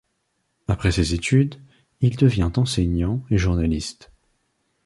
Après ses études, il devient enseignant et journaliste.